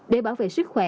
để bảo vệ sức khỏe